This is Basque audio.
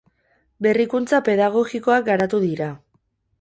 Berrikuntza Pedagogikoak garatu dira.